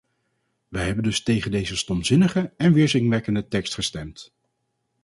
Wij hebben dus tegen deze stompzinnige en weerzinwekkende tekst gestemd.